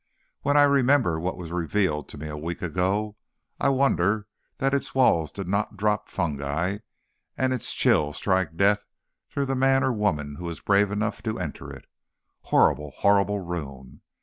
When I remember what was revealed to me a week ago, I wonder that its walls did not drop fungi, and its chill strike death through the man or woman who was brave enough to enter it. Horrible, horrible room!